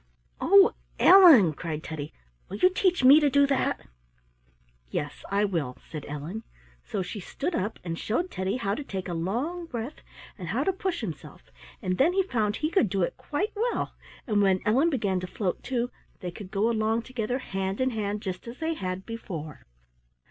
"Oh, Ellen!" cried Teddy, "will you teach me to do that?" "Yes, I will," said Ellen. So she stood up and showed Teddy how to take a long breath, and how to push himself, and then he found he could do it quite well, and when Ellen began to float too, they could go along together hand in hand just as they had before.